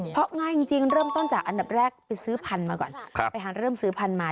เพราะง่ายจริงเริ่มต้นจากอันดับแรกไปซื้อพันธุ์มาก่อนเริ่มซื้อพันธุ์มา